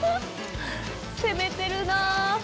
攻めてるな。